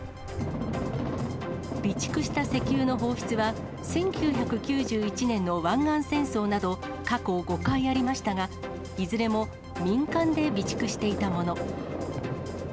備蓄した石油の放出は、１９９１年の湾岸戦争など、過去５回ありましたが、いずれも民間で備蓄していたもの。